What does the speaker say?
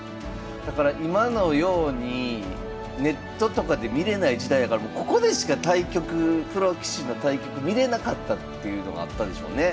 だから今のようにネットとかで見れない時代やからここでしか対局プロ棋士の対局見れなかったっていうのがあったんでしょうね。